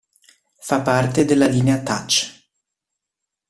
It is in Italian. Fa parte della linea Touch!